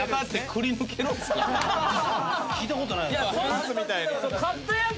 聞いたことない。